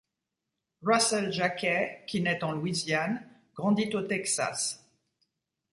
Russell Jacquet qui naît en Louisiane, grandit au Texas.